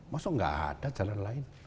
maksudnya enggak ada jalan lain